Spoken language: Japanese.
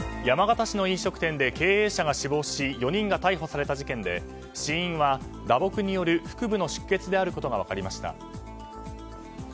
山形市の飲食店で経営者が死亡し４人が逮捕された事件で死因は打撲による腹部の出血であることが分かりました。